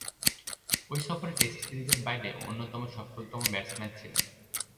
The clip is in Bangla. ঐ সফরে টেস্ট সিরিজের বাইরে অন্যতম সফলতম ব্যাটসম্যান ছিলেন।